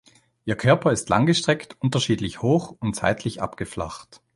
Ihr Körper ist langgestreckt, unterschiedlich hoch und seitlich abgeflacht.